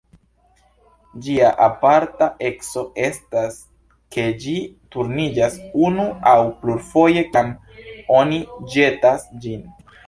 Ĝia aparta eco estas ke ĝi turniĝas unu aŭ plurfoje kiam oni ĵetas ĝin.